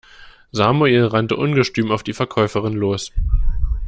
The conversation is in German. Samuel rannte ungestüm auf die Verkäuferin los.